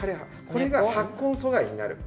これが発根阻害になる。